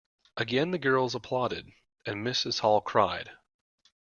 Again the girls applauded, and Mrs Hall cried.